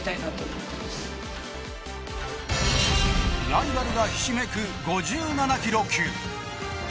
ライバルがひしめく５７ｋｇ級。